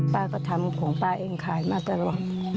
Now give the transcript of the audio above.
ป้าก็ทำของป้าเองขายมาตลอดก็ล้มลุกไปขายได้มั้งไม่ได้มั้ง